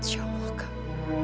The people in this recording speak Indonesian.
insya allah kang